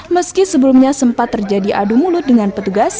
meski sebelumnya sempat terjadi adu mulut dengan petugas